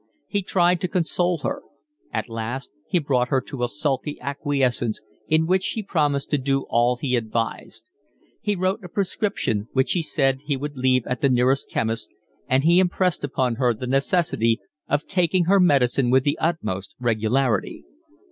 He tried to console her. At last he brought her to a sulky acquiescence in which she promised to do all he advised. He wrote a prescription, which he said he would leave at the nearest chemist's, and he impressed upon her the necessity of taking her medicine with the utmost regularity.